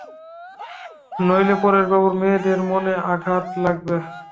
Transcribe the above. নইলে পরেশবাবুর মেয়েদের মনে আঘাত লাগবে।